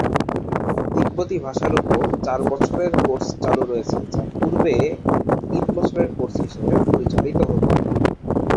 তিব্বতি ভাষার উপর চার বছরের কোর্স চালু রয়েছে, যা পূর্বে তিন বছরের কোর্স হিসেবে পরিচালিত হত।